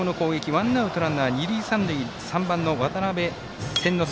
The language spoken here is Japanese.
ワンアウト、ランナー、二塁三塁３番の渡邉千之亮。